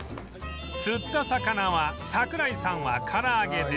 釣った魚は櫻井さんは唐揚げで